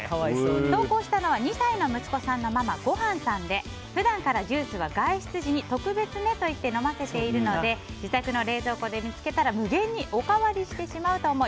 投稿したのは２歳の息子さんのママごはんさんで普段からジュースは外出時に特別ねと言って飲ませているので自宅の冷蔵庫で見つけたら無限におかわりしてしまうと思い